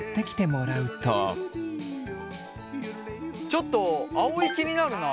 ちょっとあおい気になるな。